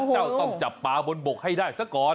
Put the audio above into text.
ต้องจับปลาบนบกให้ได้ซะก่อน